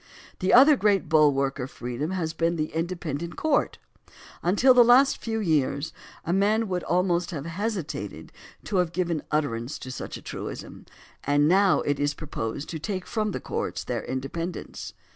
The other great bulwark of freedom has been the independent court. Until the last few years a man would almost have hesitated to have given utterance to such a truism, and now it is proposed to take from the courts their independence.